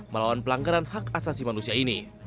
melawan pelanggaran hak asasi manusia ini